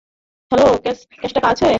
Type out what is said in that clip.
Hello, cash টাকা আছে?